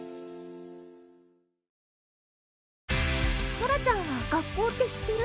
ソラちゃんは学校って知ってる？